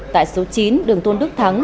tại số chín đường tôn đức thắng